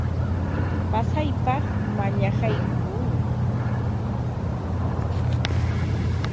Pasaypam mallaqaykuu.